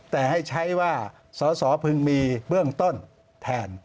แต่ให้ใช้ว่าสอสอพึงมีเบื้องต้นแทน